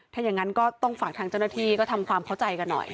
ถ้าอย่างนั้นก็ต้องฝากทางเจ้าหน้าที่ก็ทำความเข้าใจกันหน่อย